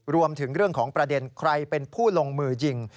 รวมถึงเรื่องของประเด็นใครเป็นผู้ลงมือยิง